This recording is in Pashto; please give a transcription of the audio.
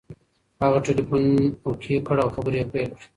هغه ټلیفون اوکې کړ او خبرې یې پیل کړې.